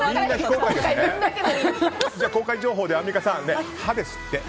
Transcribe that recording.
公開情報でアンミカさん歯ですって。